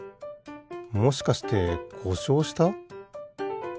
もしかしてこしょうした？